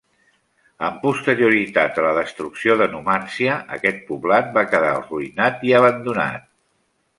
Amb posterioritat a la destrucció de Numància aquest poblat va quedar arruïnat i abandonat.